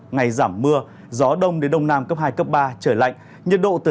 ngày giảm mưa gió đông đến đông nam cấp hai cấp ba trời lạnh nhiệt độ từ hai mươi một đến hai mươi sáu độ